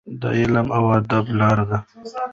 د علم او ادب لاره.